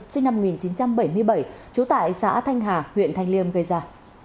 sinh năm một nghìn chín trăm bảy mươi bảy trú tại xã thanh hà huyện thanh liêm gây ra